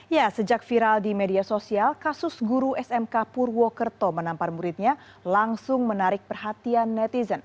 ya sejak viral di media sosial kasus guru smk purwokerto menampar muridnya langsung menarik perhatian netizen